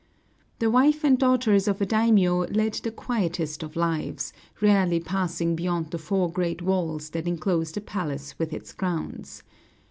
The wife and daughters of a daimiō led the quietest of lives, rarely passing beyond the four great walls that inclose the palace with its grounds.